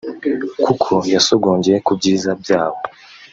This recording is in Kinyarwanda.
kuko yasogongeye ku byiza byawo